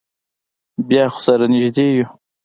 بیا خو سره نږدې یو.